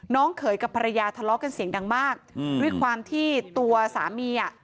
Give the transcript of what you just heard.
เขยกับภรรยาทะเลาะกันเสียงดังมากด้วยความที่ตัวสามีอ่ะ